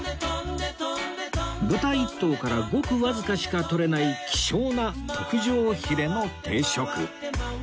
豚一頭からごくわずかしか取れない希少な特上ヒレの定食